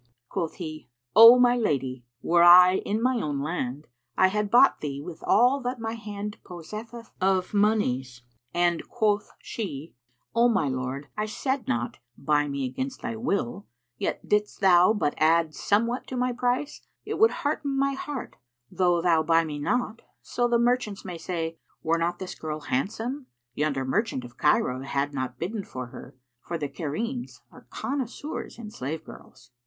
Quoth he, "O my lady, were I in my own land, I had bought thee with all that my hand possesseth of monies;" and quoth she, "O my lord, I said not, 'Buy me against thy will,' yet, didst thou but add somewhat to my price, it would hearten my heart, though thou buy me not, so the merchants may say, 'Were not this girl handsome, yonder merchant of Cairo had not bidden for her, for the Cairenes are connoisseurs in slave girls.'"